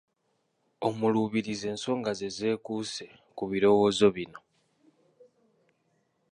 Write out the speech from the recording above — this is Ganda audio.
Omuluubirizi ensonga ze zeekuuse ku birowoozo bino